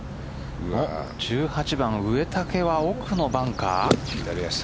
１８番、植竹は奥のバンカー。